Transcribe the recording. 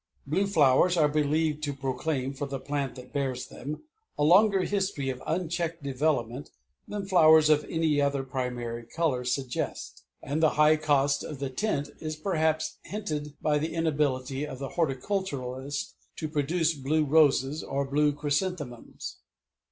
Blue flowers are believed to proclaim for the plant that bears them a longer history of unchecked development than flowers of any other primary color suggest; and the high cost of the tint is perhaps hinted by the inability of the horticulturist to produce blue roses or blue chrysanthemums.